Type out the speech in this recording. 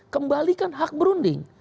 kembalikan hak berunding